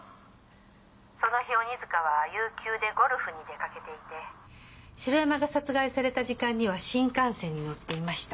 その日鬼塚は有休でゴル城山が殺害された時間には新幹線に乗っていました。